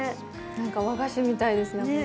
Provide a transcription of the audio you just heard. なんか和菓子みたいですね